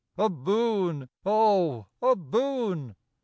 A boon, oh, a boon